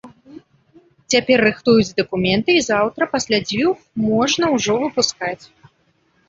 Цяпер рыхтуюць дакументы і заўтра пасля дзвюх можна ўжо выпускаць.